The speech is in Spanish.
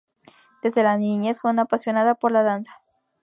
Desde la niñez fue una apasionada por la danza.